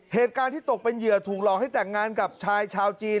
เหตุการณ์ที่ตกเป็นเหยื่อถูกหลอกให้แต่งงานกับชายชาวจีน